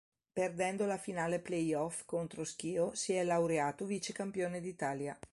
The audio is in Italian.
Perdendo la finale play-off contro Schio, si è laureato vice campione d'Italia.